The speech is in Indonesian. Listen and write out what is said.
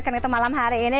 karena itu malam hari ini